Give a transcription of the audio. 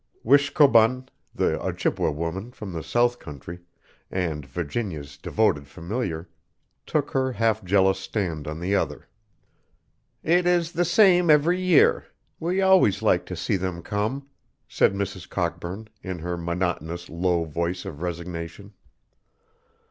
Wishkobun, the Ojibway woman from the south country, and Virginia's devoted familiar, took her half jealous stand on the other. "It is the same every year. We always like to see them come," said Mrs. Cockburn, in her monotonous low voice of resignation.